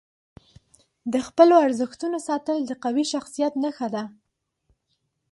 د خپلو ارزښتونو ساتل د قوي شخصیت نښه ده.